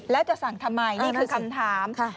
แล้วจะสั่งทำไมนี่คือคำถาม